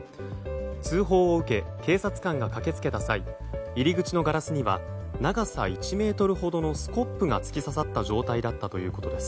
通報を受け警察官が駆け付けた際入り口のガラスには長さ１ｍほどのスコップが突き刺さった状態だったということです。